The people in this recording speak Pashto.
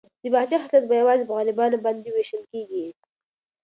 د باغچې حاصلات به یوازې په غریبانو باندې وېشل کیږي.